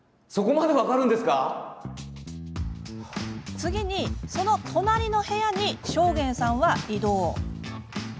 次に、その隣の部屋に正源さんは移動。